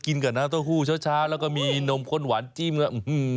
กินกับน้ำเต้าหู้เช้าแล้วก็มีนมข้นหวานจิ้มครับ